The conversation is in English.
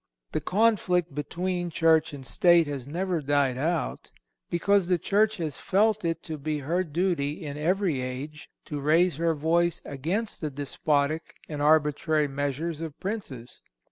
The conflict between Church and State has never died out, because the Church has felt it to be her duty, in every age, to raise her voice against the despotic and arbitrary measures of princes.